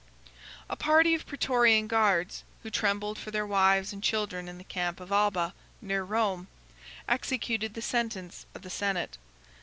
A party of Prætorian guards, who trembled for their wives and children in the camp of Alba, near Rome, executed the sentence of the senate.